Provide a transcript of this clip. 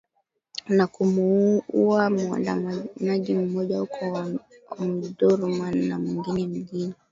na kumuuwa muandamanaji mmoja huko Omdurman na mwingine mjini